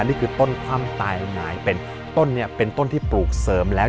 นี่คือต้นคว่ำตายหงายเป็นต้นเนี่ยเป็นต้นที่ปลูกเสริมแล้ว